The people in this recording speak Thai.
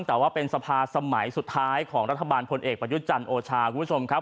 แต่ว่าเป็นสภาสมัยสุดท้ายของรัฐบาลพลเอกประยุทธ์จันทร์โอชาคุณผู้ชมครับ